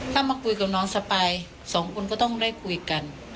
ถ้ามาคุยกับน้องสปายสองคนก็ต้องได้คุยกัน